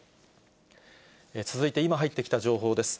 続いて今、入ってきた情報です。